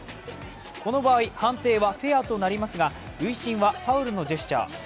この場合、判定はフェアとなりますが塁審はファウルのジェスチャー。